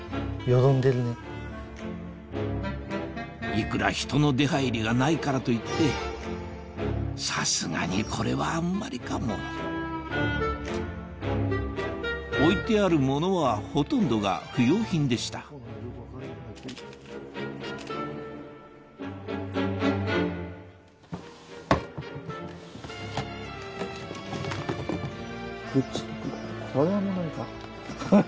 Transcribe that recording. いくら人の出入りがないからといってさすがにこれはあんまりかも置いてある物はほとんどが不用品でしたハハハ